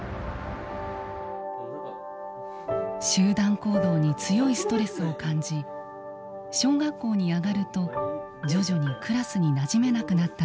集団行動に強いストレスを感じ小学校にあがると徐々にクラスになじめなくなったといいます。